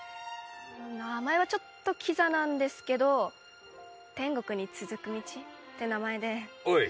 名前はちょっとキザなんですけど天国に続く道って名前でおい